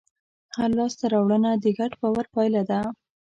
هره لاستهراوړنه د ګډ باور پایله ده.